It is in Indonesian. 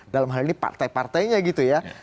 dalam hal ini partai partainya gitu ya